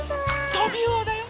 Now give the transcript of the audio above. トビウオだよ！